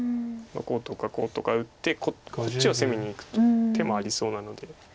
こうとかこうとか打ってこっちを攻めにいく手もありそうなので。